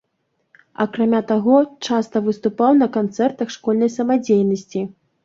Акрамя таго, часта выступаў на канцэртах школьнай самадзейнасці.